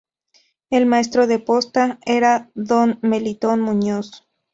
El maestro de posta era don Melitón Muñoz.